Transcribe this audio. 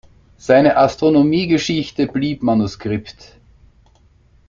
Seine Astronomiegeschichte blieb Manuskript.